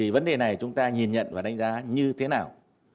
vấn đề này chúng ta nhìn nhận và đánh giá như thế nào